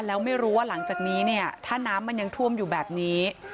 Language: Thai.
แล้วไม่รู้ว่าหลังจากนี้เนี่ยถ้าน้ำมันยังท่วมอยู่แบบนี้